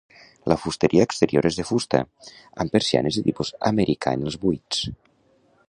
La fusteria exterior és de fusta, amb persianes de tipus americà en els buits.